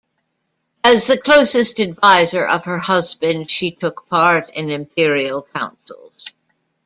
As the closest adviser of her husband, she took part in Imperial councils.